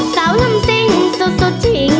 สาวลำซิ้งสุดจริงด์